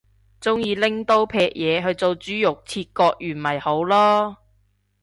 鍾意拎刀劈嘢去做豬肉切割員咪好囉